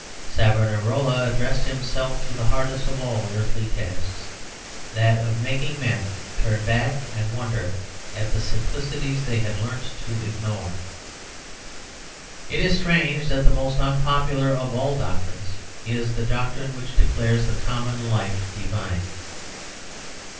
Savonarola addressed himself to the hardest of all earthly tasks, that of making men turn back and wonder at the simplicities they had learnt to ignore. It is strange that the most unpopular of all doctrines is the doctrine which declares the common life divine.